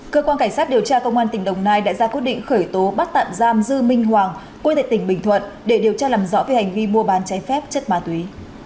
cơ quan cảnh sát điều tra công an tỉnh đồng nai đã ra quyết định khởi tố bắt tạm giam dư minh hoàng quê tệ tỉnh bình thuận để điều tra làm rõ về hành vi mua bán cháy phép chất ma túy